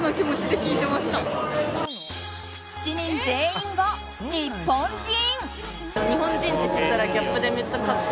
７人全員が、日本人！